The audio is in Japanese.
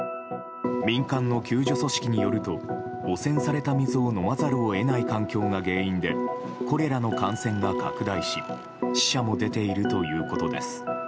民間の救助組織によると汚染された水を飲まざるを得ない環境が原因でコレラの感染が拡大し死者も出ているということです。